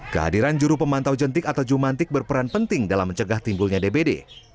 kehadiran juru pemantau jentik atau jumantik berperan penting dalam mencegah timbulnya dbd